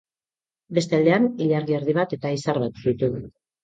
Beste aldean, ilargi erdi bat eta izar bat ditu.